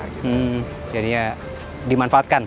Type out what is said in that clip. hmm jadinya dimanfaatkan